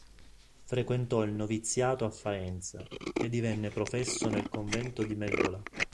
Frequentò il noviziato a Faenza e divenne professo nel convento di Meldola.